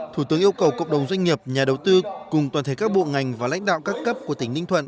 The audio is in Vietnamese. thủ tướng yêu cầu cộng đồng doanh nghiệp nhà đầu tư cùng toàn thể các bộ ngành và lãnh đạo các cấp của tỉnh ninh thuận